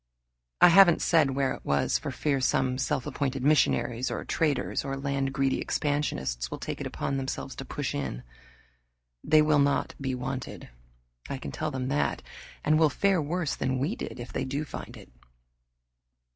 I haven't said where it was for fear some self appointed missionaries, or traders, or land greedy expansionists, will take it upon themselves to push in. They will not be wanted, I can tell them that, and will fare worse than we did if they do find it.